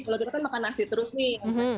kalau kita kan makan nasi terus nih